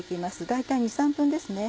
大体２３分ですね。